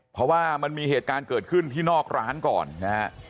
เพราะว่ามันมีเหตุการณ์เกิดขึ้นที่นอกร้านก่อนนะฮะ